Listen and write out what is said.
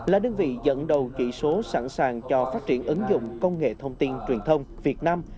là đơn vị dẫn đầu chỉ số sẵn sàng cho phát triển ứng dụng công nghệ thông tin truyền thông việt nam